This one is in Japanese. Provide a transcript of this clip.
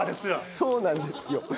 そうなんですよ。